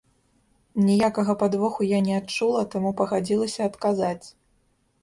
Ніякага падвоху я не адчула, таму пагадзілася адказаць.